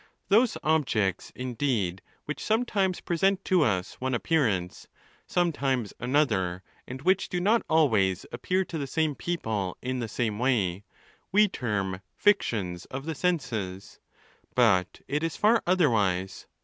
Those objects, indeed, which sometimes present to us one appearance, sometimes another, and which do not always appear to the same people in the same way, we term fictions of the senses ; but it is far otherwise.